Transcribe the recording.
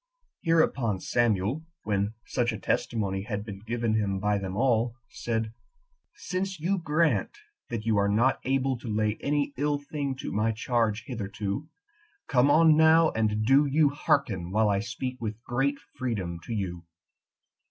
6. Hereupon Samuel, when such a testimony had been given him by them all, said, "Since you grant that you are not able to lay any ill thing to my charge hitherto, come on now, and do you hearken while I speak with great freedom to you.